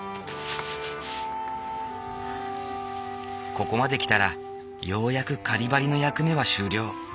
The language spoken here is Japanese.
ここまで来たらようやく仮ばりの役目は終了。